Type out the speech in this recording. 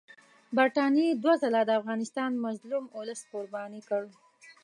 برټانیې دوه ځله د افغانستان مظلوم اولس قرباني کړ.